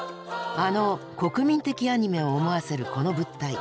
あの国民的アニメを思わせるこの物体。